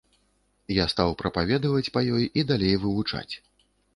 Я стаў прапаведаваць па ёй і далей вывучаць.